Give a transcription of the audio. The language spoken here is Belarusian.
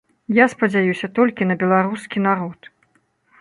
Я спадзяюся толькі на беларускі народ.